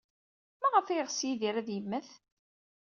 Maɣef ay yeɣs Yidir ad yemmet?